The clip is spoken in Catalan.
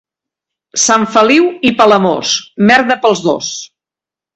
Sant Feliu i Palamós, merda pels dos.